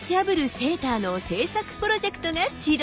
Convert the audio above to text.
セーターの制作プロジェクトが始動！